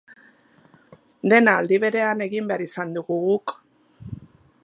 Dena aldi berean egin behar izan dugu guk.